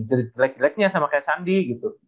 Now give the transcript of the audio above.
jelek jelek jeleknya sama kayak sandi gitu